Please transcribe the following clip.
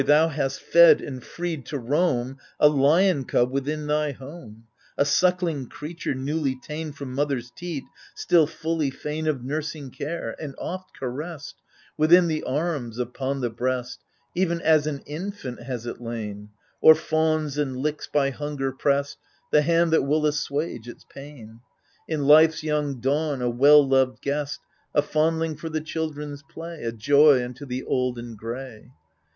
thou hast fed and freed to roam A lion cub within thy home 1 A suckling creature, newly ta'en From mother's teat, still fully fain AGAMEMNON 33 Of nursing care ; and oft caressed, Within the arms, upon the breast, Even as an infant, has it lain ; Or fawns and licks, by hunger pressed, The hand that will assuage its pain ; In life's young dawn, a well loved guest, A fondling for the children's play, A joy unto the old and gray.